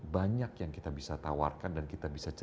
banyak yang kita bisa tawarkan dan kita bisa cek